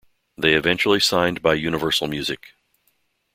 They eventually signed by Universal Music.